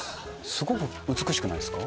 すごく美しくないですか？